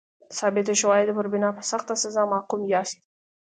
د ثابتو شواهدو پر بنا په سخته سزا محکوم یاست.